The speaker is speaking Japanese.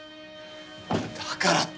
だからって！